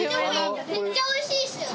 めっちゃおいしいっす。